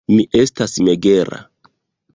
Mi estas megera.